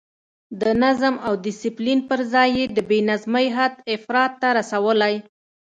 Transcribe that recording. د نظم او ډسپلین پر ځای یې د بې نظمۍ حد افراط ته رسولی.